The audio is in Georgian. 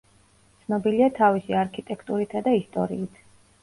ცნობილია თავისი არქიტექტურითა და ისტორიით.